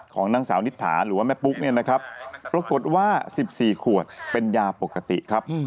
ของนางสาวนิถาหรือว่าแม่ปุ๊กเนี่ยนะครับปรากฏว่า๑๔ขวดเป็นยาปกติครับ